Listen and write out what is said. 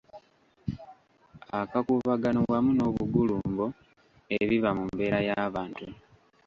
Akakuubagano wamu n’obugulumbo ebiba mu mbeera y'abantu